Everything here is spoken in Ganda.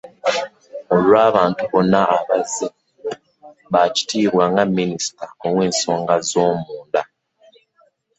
Olw'abantu bonna abazze bakwatibwa nga Minisita w'ensonga ez'omunda,